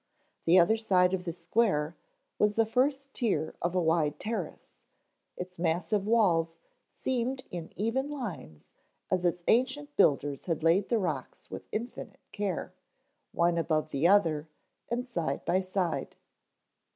The other side of the square was the first tier of a wide terrace, its massive walls seamed in even lines as its ancient builders had laid the rocks with infinite care, one above the other, and side by side.